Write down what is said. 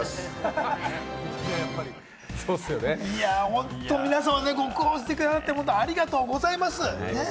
本当、皆さま、ご苦労してくださって本当にありがとうございます。